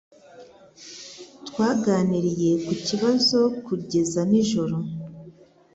Twaganiriye ku kibazo kugeza nijoro